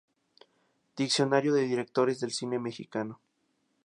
Diccionario de directores del cine mexicano.